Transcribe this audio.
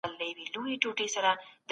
څنګه انټرنیټي ازادي خوندي ساتل کیږي؟